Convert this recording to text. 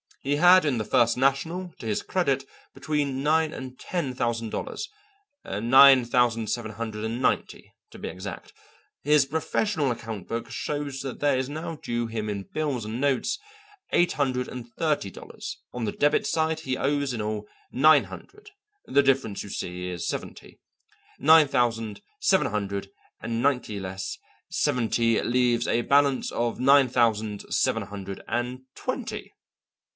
He had in the First National to his credit between nine and ten thousand dollars; nine thousand seven hundred and ninety, to be exact. His professional account book shows that there is now due him in bills and notes eight hundred and thirty dollars; on the debit side he owes in all nine hundred; the difference, you see, is seventy. Nine thousand seven hundred and ninety less seventy leaves a balance of nine thousand seven hundred and twenty.